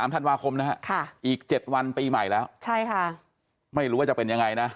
ธันวาคมนะฮะอีก๗วันปีใหม่แล้วใช่ค่ะไม่รู้ว่าจะเป็นยังไงนะ